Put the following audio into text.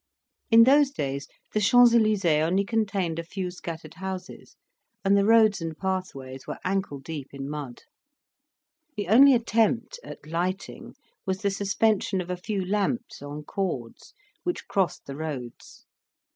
In those days the Champs Elysees only contained a few scattered houses, and the roads and pathways were ancle deep in mud. The only attempt at lighting was the suspension of a few lamps on cords, which crossed the roads.